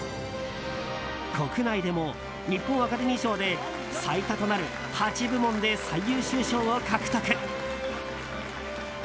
国内でも日本アカデミー賞で最多となる８部門で最優秀賞を獲得。